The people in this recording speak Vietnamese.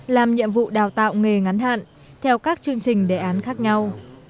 làm nhiệm vụ đào tạo nghề ngắn hạn theo các chương trình đề án khác nhau